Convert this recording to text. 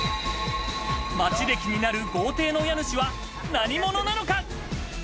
街で気になる豪邸の家主は何者なのか？